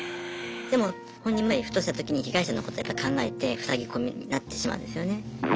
でも本人もふとしたときに被害者のことやっぱ考えてふさぎ込みになってしまうんですよね。